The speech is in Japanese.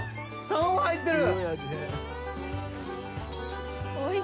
卵入ってる。